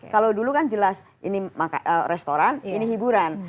kalau dulu kan jelas ini restoran ini hiburan